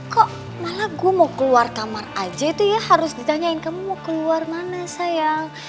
kok malah gue mau keluar kamar aja itu ya harus ditanyain kamu mau keluar mana sayang